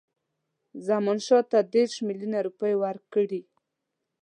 زمانشاه ته دېرش میلیونه روپۍ ورکړي.